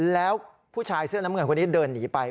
แล้วผู้ชายเสื้อน้ำเงินคนนี้เดินหนีไป